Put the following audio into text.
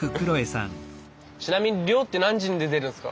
ちなみに漁って何時に出てるんですか？